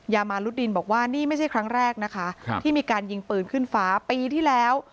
ยามารุดดินบอกว่านี่ไม่ใช่ครั้งแรกนะคะที่มีการยิงปืนขึ้นฟ้าปีที่แล้ว